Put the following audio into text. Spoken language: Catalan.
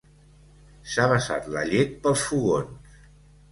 S'ha vessat la llet pels fogons.